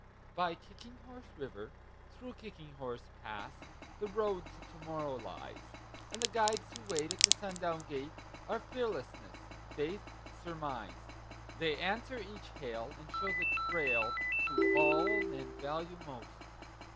By Kicking Horse River, through Kicking Horse Pass, The Road to Tomorrow lies; And the guides who wait at the sundown gate Are Fearlessness, Faith, Surmise. They answer each hail and show the trail To all men value most.